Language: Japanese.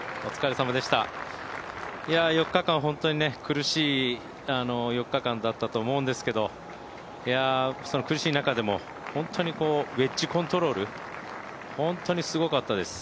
４日間本当に苦しい４日間だったと思うんですけれども、その苦しい中でも、本当にウェッジコントロール、本当にすごかったです。